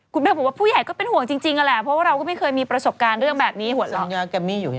คุณเป๊บบอกว่าผู้ใหญ่ก็เป็นห่วงจริงอะแหละเพราะว่าเราก็ไม่เคยมีประสบการณ์เรื่องแบบนี้หวดหลอก